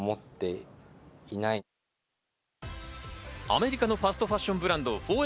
アメリカのファストファッションブランド、ＦＯＲＥＶＥＲ